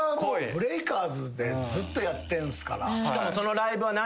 ＢＲＥＡＫＥＲＺでずっとやってんすから。